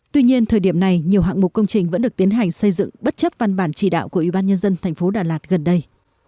tuy nhiên thời điểm này nhiều hạng mục công trình vẫn được tiến hành xây dựng bất chấp văn bản chỉ đạo của ủy ban nhân dân thành phố đà lạt gần đây